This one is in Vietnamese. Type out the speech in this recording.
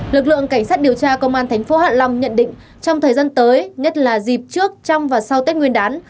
lực lượng cảnh sát điều tra công an tp hạ long nhận định trong thời gian tới nhất là dịp trước trong và sau tết nguyên đán